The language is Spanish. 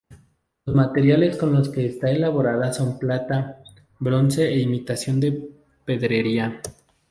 Los materiales con los que está elaborada son plata, bronce e imitación de pedrería.